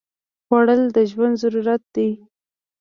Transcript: خوړل د ژوند ضرورت دی